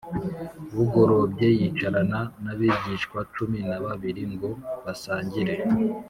Bugorobye yicarana n’abigishwa cumi na babiri ngo basangire.